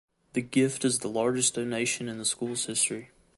The gift is the largest donation in the school's history.